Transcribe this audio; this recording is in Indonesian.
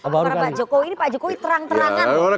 bapak jokowi ini pak jokowi terang terangan